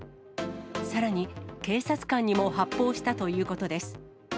さらに、警察官にも発砲したということです。